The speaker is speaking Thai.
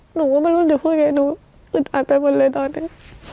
หนูก็ไม่รู้จะพูดไงหนูอึดอัดไปหมดเลยตอนนี้